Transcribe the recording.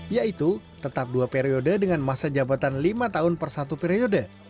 yaitu tetap dua periode dengan masa jabatan lima tahun per satu periode